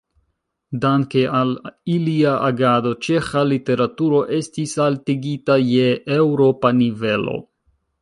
Danke al ilia agado ĉeĥa literaturo estis altigita je eŭropa nivelo.